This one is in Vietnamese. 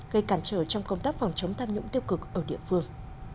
gây cản trở trong công tác phòng chống tham nhũng tiêu cực ở địa phương